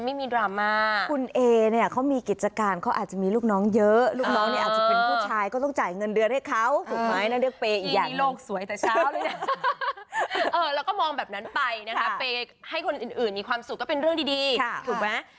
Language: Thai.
ไม่ได้เลือกเปย์อีกอย่างมีโลกสวยแต่เช้าเลยนะเออแล้วก็มองแบบนั้นไปนะครับให้คนอื่นมีความสุขก็เป็นเรื่องดีถูกไหม